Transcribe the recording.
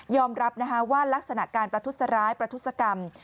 ยอมรับนะฮะว่าลักษณะการประทุษย์ร้ายประทุษกรรม